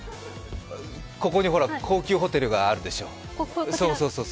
ここにほら、高級ホテルがあるでしょう。